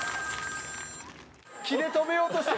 気で止めようとして。